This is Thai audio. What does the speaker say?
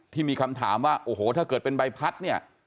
ที่มีคำถามว่าโอ้โหถ้าเกิดเป็นใบพัดเนี่ย